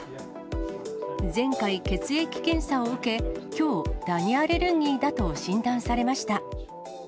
前回、血液検査を受け、きょう、ダニアレルギーだと診断されました。